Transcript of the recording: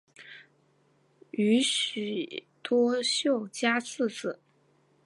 宇喜多秀家次子。